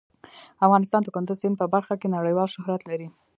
افغانستان د کندز سیند په برخه کې نړیوال شهرت لري.